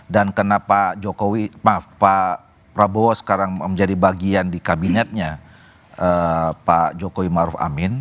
dan karena pak prabowo sekarang menjadi bagian di kabinetnya pak jokowi ma ruf amin